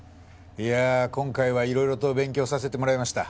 いやあ今回はいろいろと勉強させてもらいました。